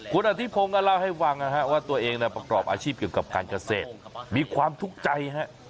คุณอธิพงศ์ก็เล่าให้ฟังนะฮะว่าตัวเองประกอบอาชีพเกี่ยวกับการเกษตรมีความทุกข์ใจฮะ